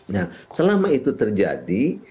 nah selama itu terjadi